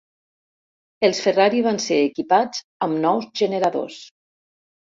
Els Ferrari van ser equipats amb nous generadors.